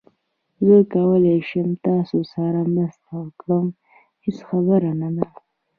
زه کولای شم تاسو سره مرسته وکړم، هیڅ خبره نه ده